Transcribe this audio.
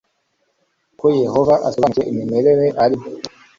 ko yehova asobanukiwe imimerere arimo